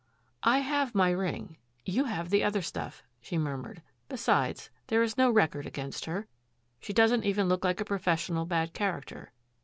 "I have my ring. You have the other stuff," she murmured. "Besides, there is no record against her. She doesn't even look like a professional bad character.